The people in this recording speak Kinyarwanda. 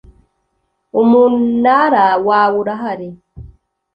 Umunara wawe urahari.